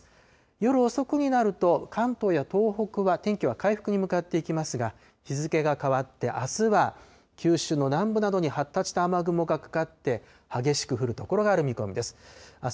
夜遅くになると関東や東北は天気は回復に向かっていきますが、日付が変わってあすは、九州の南部などに発達した雨雲がかかって、激しく降る所がある見込みです。